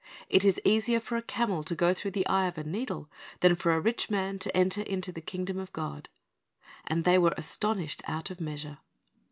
It is easier for a camel to go through the eye of a needle, than for a rich man to enter into the kingdom of God. And they were astonished out of measure."